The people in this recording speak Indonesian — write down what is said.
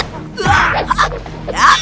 tidak ada apa apa